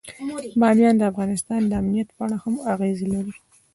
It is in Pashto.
بامیان د افغانستان د امنیت په اړه هم اغېز لري.